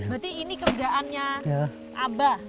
berarti ini kerjaannya abah